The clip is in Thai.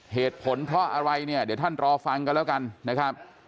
เหตุผลเพราะอะไรเนี่ยเดี๋ยวท่านรอฟังกันแล้วกันนะครับ